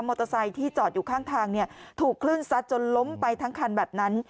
มอเตอร์ไซค์ที่จอดอยู่ข้างทางเนี้ยถูกคลื่นซัดจนล้มไปทั้งคันแบบนั้น